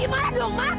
ya allah ada apa sih